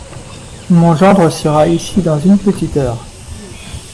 Mon gendre sera ici dans une petite heure…